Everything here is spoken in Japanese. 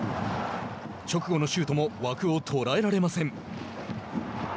直後のシュートも枠を捉えられません。